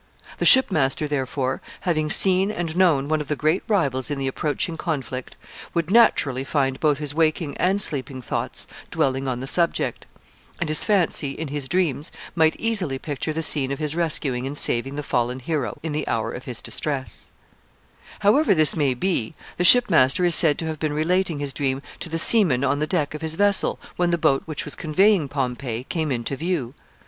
The shipmaster, therefore, having seen and known one of the great rivals in the approaching conflict, would naturally find both his waking and sleeping thoughts dwelling on the subject; and his fancy, in his dreams, might easily picture the scene of his rescuing and saving the fallen hero in the hour of his distress. [Sidenote: Pompey goes on board a merchant ship.] However this may be, the shipmaster is said to have been relating his dream to the seamen on the deck of his vessel when the boat which was conveying Pompey came into view.